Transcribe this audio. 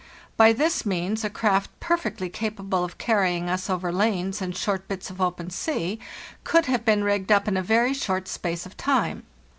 By this means a craft perfectly capable of carrying us over lanes and short bits of open sea could have been rigged up in a very short space of time.